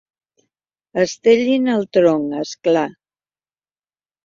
Estellin el tronc, és clar.